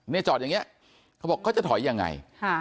เนี้ยจอดอย่างเงี้ยเขาบอกก็จะถอยยังไง